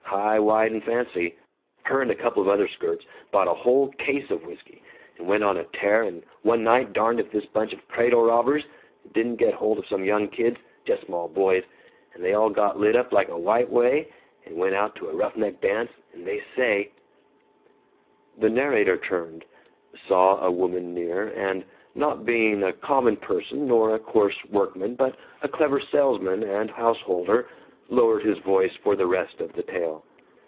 high, wide, and fancy! Her and couple of other skirts bought a whole case of whisky and went on a tear, and one night, darned if this bunch of cradle robbers didn't get hold of some young kids, just small boys, and they all got lit up like a White Way, and went out to a roughneck dance, and they say " The narrator turned, saw a woman near and, not being a common person nor a coarse workman but a clever salesman and a householder, lowered his voice for the rest of the tale.